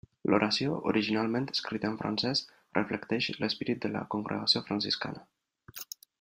L'oració, originalment escrita en francès, reflecteix l'esperit de la congregació franciscana.